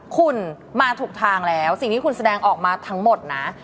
คุณมาถูกทางแล้วสิ่งที่คุณแสดงออกมาทั้งหมดนะ